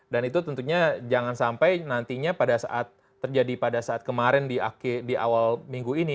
dan itu tentunya jangan sampai nantinya pada saat terjadi pada saat kemarin di awal minggu ini